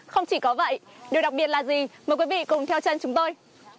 không chỉ có vậy điều đặc biệt là gì mời quý vị cùng theo chân chúng tôi